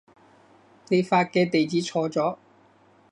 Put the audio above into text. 你發嘅地址錯咗